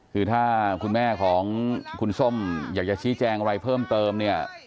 คือถ้าคุณแม่ของคุณส้มอยากจะชี้แจงอะไรเพิ่มเติมเนี่ย